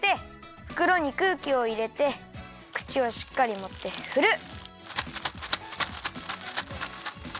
ふくろにくうきをいれてくちをしっかりもってふる！